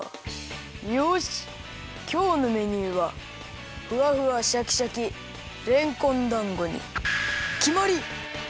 よしきょうのメニューはふわふわシャキシャキれんこんだんごにきまり！